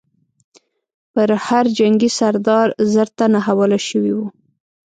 پر هر جنګي سردار زر تنه حواله شوي وو.